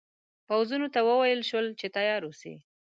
د پوځونو ته وویل شول چې تیار اوسي.